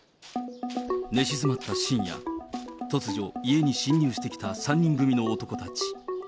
寝静まった深夜、突如、家に侵入してきた３人組の男たち。